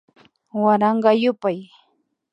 Waranka yupay